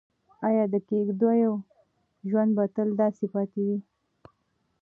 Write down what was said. ایا د کيږديو ژوند به تل داسې پاتې وي؟